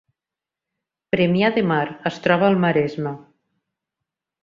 Premià de Mar es troba al Maresme